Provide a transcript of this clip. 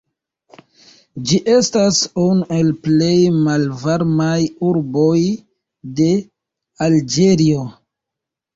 Ĝi estas unu el plej malvarmaj urboj de Alĝerio.